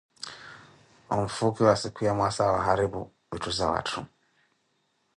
onfukiwa sikhuya mwaasa wa oharupu witthu za watthu.